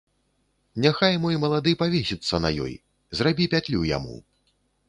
Няхай мой малады павесіцца на ёй, зрабі пятлю яму.